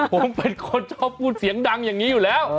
ผมเป็นคนชอบพูดเสียงดังอย่างนี้อยู่แล้ว